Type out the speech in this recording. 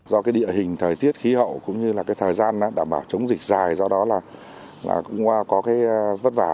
do địa hình thời tiết khí hậu cũng như thời gian đảm bảo chống dịch dài do đó là có vất vả